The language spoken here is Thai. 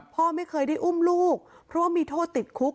พ่อไม่เคยได้อุ้มลูกเพราะว่ามีโทษติดคุก